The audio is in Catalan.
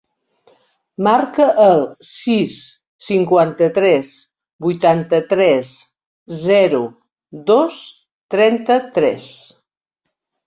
Marca el sis, cinquanta-tres, vuitanta-tres, zero, dos, trenta-tres.